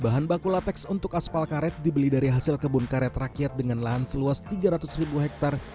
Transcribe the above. bahan baku latex untuk aspal karet dibeli dari hasil kebun karet rakyat dengan lahan seluas tiga ratus ribu hektare